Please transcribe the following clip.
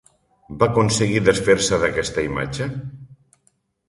Va aconseguir desfer-se d'aquesta imatge?